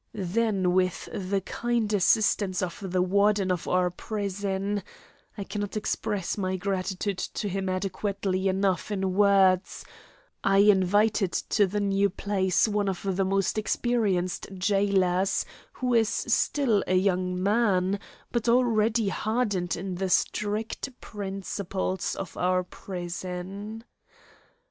Then with the kind assistance of the Warden of our prison, (I cannot express my gratitude to him adequately enough in words,) I invited to the new place one of the most experienced jailers, who is still a young man, but already hardened in the strict principles of our prison.